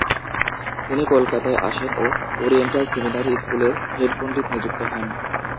তিনি কলকাতায় আসেন ও ওরিয়েন্টাল সেমিনারি স্কুলের হেডপন্ডিত নিযুক্ত হন।